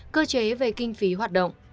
cơ chế về kinh phí hoạt động